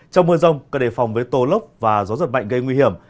trong mưa rông cần đề phòng với tô lốc và gió giật mạnh gây nguy hiểm